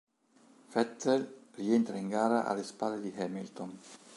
Vettel rientra in gara alle spalle di Hamilton.